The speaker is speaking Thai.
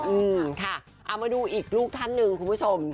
อืมค่ะเอามาดูอีกลูกท่านหนึ่งคุณผู้ชม